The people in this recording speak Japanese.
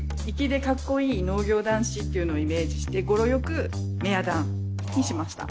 粋でかっこいい農業男子っていうのをイメージして語呂よくメヤダンにしました。